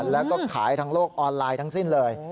แล้วก็ขายทางโลกออนไลน์ทั้งสิ้นเลย